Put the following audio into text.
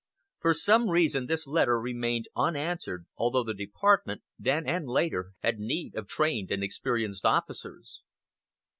For some reason this letter remained unanswered, although the Department, then and later, had need of trained and experienced officers.